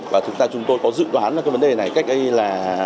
và thực ra chúng tôi có dự đoán là cái vấn đề này cách đây là